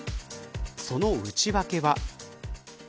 その内訳は。